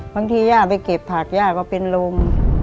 ย่าไปเก็บผักย่าก็เป็นลม